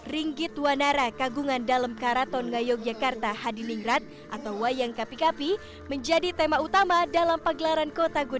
ringgit wanara kagungan dalam karaton ngayogyakarta hadilingrat atau wayang kapi kapi menjadi tema utama dalam pegelaran kota gudeg ini